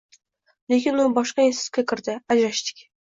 Lekin u boshqa institutga kirdi — ajrashdik.